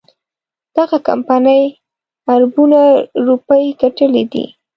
دغه کمپنۍ اربونه روپۍ ګټلي دي.